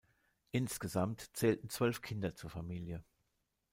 Insgesamt zählten zwölf Kinder zur Familie.